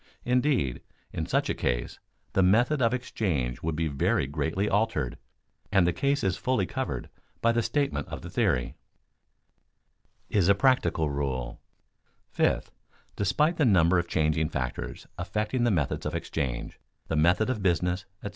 Indeed, in such a case, the method of exchange would be very greatly altered, and the case is fully covered by the statement of the theory. [Sidenote: Is a practical rule] Fifth, despite the number of changing factors affecting the methods of exchange, the method of business, etc.